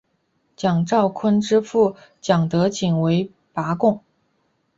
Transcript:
蒋兆鲲之父蒋德璟为拔贡。